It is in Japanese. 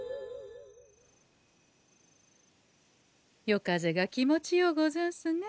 夜風が気持ちようござんすね。